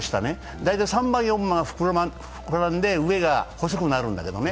大体３番、４番、膨らんで上が細くなるんだけどね。